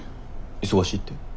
忙しいって？